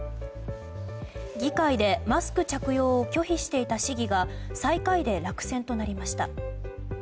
議会でマスク着用を拒否していた市議が最下位で落選となりました。